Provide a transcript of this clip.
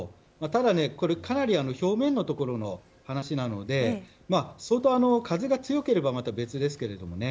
ただ、かなり表面のところの話なので相当、風が強ければまた別ですけれどもね。